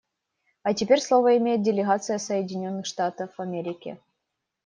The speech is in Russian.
А теперь слово имеет делегация Соединенных Штатов Америки.